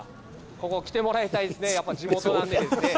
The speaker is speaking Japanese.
ここ来てもらいたいですね、やっぱ地元なんで。